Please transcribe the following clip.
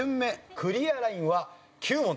クリアラインは９問です。